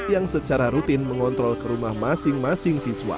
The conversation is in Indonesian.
yang secara rutin mengontrol ke rumah masing masing siswa